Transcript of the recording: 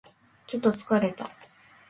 ちょっと疲れた